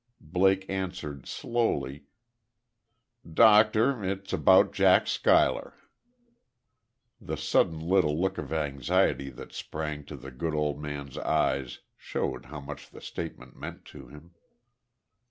Blake answered, slowly: "Doctor, it's about Jack Schuyler." The sudden little look of anxiety that sprang to the good old man's eyes showed how much the statement meant to him.